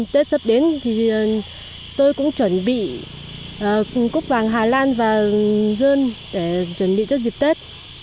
tết sắp đến thì tôi cũng chuẩn bị cúp vàng hà lan và dơn để chuẩn bị cho dịp tết